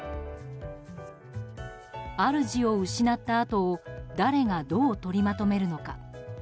主を失ったあとを誰がどう取りまとめるのか。